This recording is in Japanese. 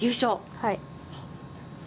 はい。